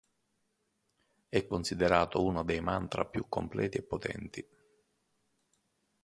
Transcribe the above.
È considerato uno dei mantra più completi e potenti.